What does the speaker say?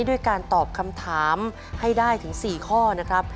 ด้วยการตอบคำถามให้ได้ถึง๔ข้อนะครับ